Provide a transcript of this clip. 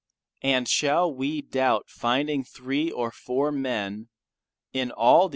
And shall we doubt finding three or four men in all the U.